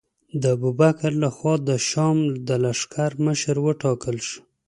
د ابوبکر له خوا د شام د لښکر مشر وټاکل شو.